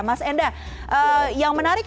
mas enda yang menarik